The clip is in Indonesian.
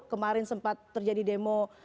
kemarin sempat terjadi demo